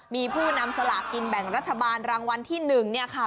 มีผู้นำสลากกิจแบบรัฐบาลรางวัลที่๑เนี่ยค่ะ